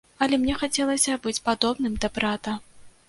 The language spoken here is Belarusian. Але мне хацелася быць падобным да брата.